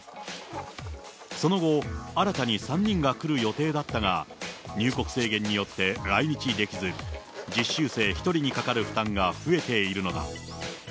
その後、新たに３人が来る予定だったが、入国制限によって来日できず、実習生１人にかかる負担が増えているのだ。